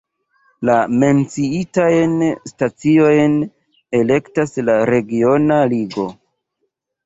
La menciitajn staciojn elektas la regiona ligo.